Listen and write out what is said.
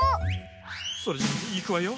それじゃいくわよ。